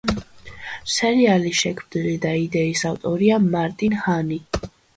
სერიალის შემქმნელი და იდეის ავტორია მარტინ ჰანი.